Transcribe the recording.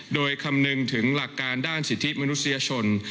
โดยคำนึงถึงหลักการด้านสิทธิมนุษยชน